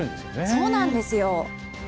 そうなんですよ。